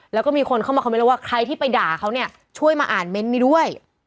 แล้วก็มีคนเข้ามาคอมเมนต์ว่าใครที่ไปด่าเขาเนี่ยช่วยมาอ่านเมนต์นี้ด้วย